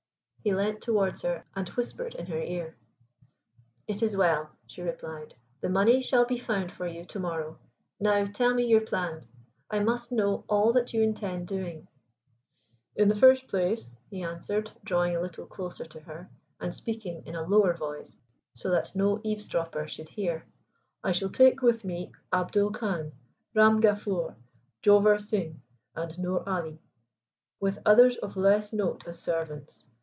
He leant towards her and whispered in her ear. "It is well," she replied. "The money shall be found for you to morrow. Now tell me your plans; I must know all that you intend doing." "In the first place," he answered, drawing a little closer to her, and speaking in a lower voice, so that no eavesdropper should hear, "I shall take with me Abdul Khan, Ram Gafur, Jowur Singh and Nur Ali, with others of less note as servants.